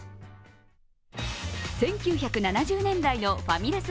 １９７０年代のファミレス